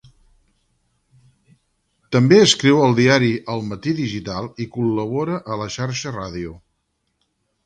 També escriu al diari El Matí Digital i col·labora a La Xarxa Ràdio.